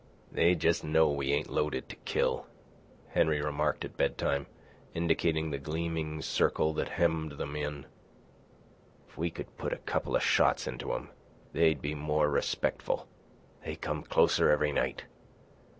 "They jes' know we ain't loaded to kill," Henry remarked at bed time, indicating the gleaming circle that hemmed them in. "If we could put a couple of shots into 'em, they'd be more respectful. They come closer every night.